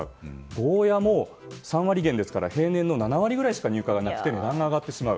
ゴーヤも３割減ですから平年の７割しか入荷がなく値段が上がってしまう。